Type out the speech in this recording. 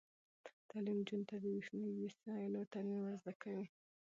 تعلیم نجونو ته د برښنايي وسایلو ترمیم ور زده کوي.